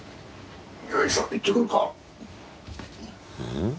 ん？